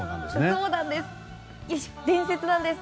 そうなんです！